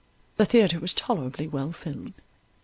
The theatre was tolerably well filled.